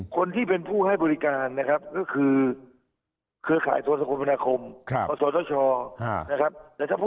คนที่เป็นผู้ให้บริการนะครับก็คือเครือข่ายตัวสคมพนาคมกศธชนะครับ